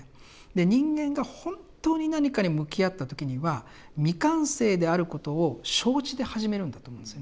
人間が本当に何かに向き合った時には未完成であることを承知で始めるんだと思うんですよね。